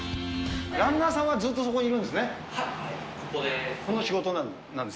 ランナーさんはずっとそこにそうです。